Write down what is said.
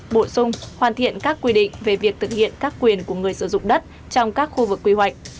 bổ sung hoàn thiện các quy định về việc thực hiện các quyền của người sử dụng đất trong các khu vực quy hoạch